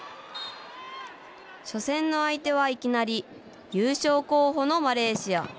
初戦の相手はいきなり優勝候補のマレーシア。